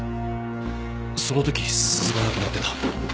その時鈴がなくなってた。